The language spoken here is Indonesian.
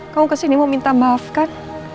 kamu kesini mau minta maaf kan